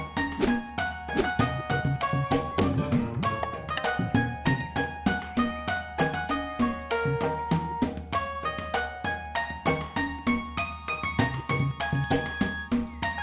biar gak kaku